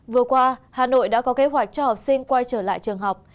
vừa qua hà nội đã có kế hoạch cho học sinh quay trở lại trường học